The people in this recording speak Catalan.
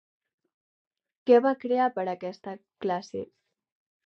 Què va crear per a aquesta classe?